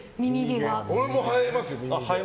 俺も生えますよ、耳毛。